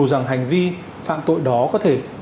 rằng hành vi phạm tội đó có thể